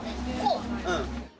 うん。